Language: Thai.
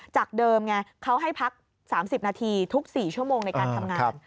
จากเดิมไงเขาให้พัก๓๐นาทีทุก๔ชั่วโมงในการทำงาน